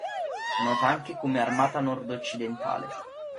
Nota anche come Armata Nordoccidentale.